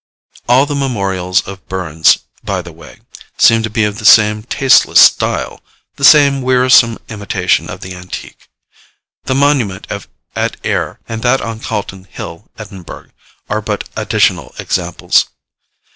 All the memorials of Burns, by the way, seem to be of the same tasteless style the same wearisome imitation of the antique. The monument at Ayr, and that on Calton Hill, Edinburgh, are but additional examples.